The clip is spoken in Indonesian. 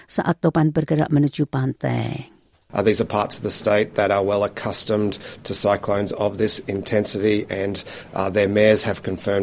saat topan bergerak menuju pantai